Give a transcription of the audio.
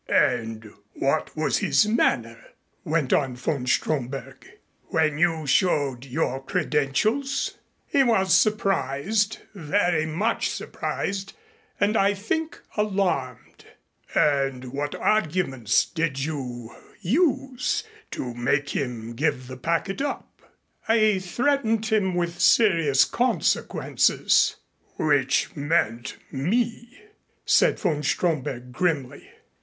"And what was his manner," went on von Stromberg, "when you showed your credentials?" "He was surprised very much surprised and I think alarmed." "And what arguments did you use to make him give the packet up?" "I threatened him with serious consequences." "Which meant me," said von Stromberg grimly.